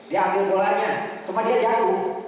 dia ambil bolanya cuma dia jatuh